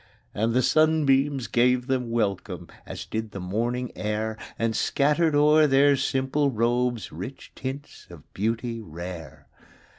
And the sunbeams gave them welcome. As did the morning air And scattered o'er their simple robes Rich tints of beauty rare.